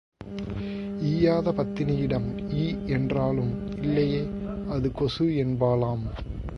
ஈயாத பத்தினியிடம் ஈ என்றாலும், இல்லையே அது கொசு என்பாளாம்.